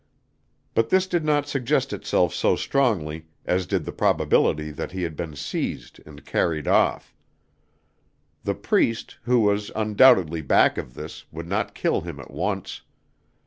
But this did not suggest itself so strongly as did the probability that he had been seized and carried off. The Priest, who was undoubtably back of this, would not kill him at once.